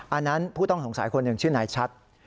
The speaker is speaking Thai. อันนั้นผู้ต้องสงสัยคนหนึ่งชื่อนายชัด